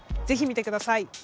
ぜひ見てください！